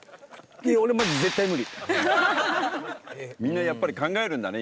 俺みんなやっぱり考えるんだね